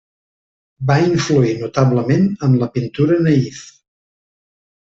Va influir notablement en la pintura naïf.